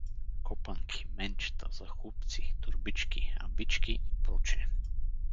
Копанки, менчета, захлупци, торбички, абички и пр.